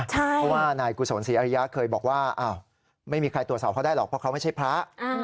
เพราะว่านายกุศลศรีอริยะเคยบอกว่าไม่มีใครตรวจสอบเขาได้หรอกเพราะเขาไม่ใช่พระ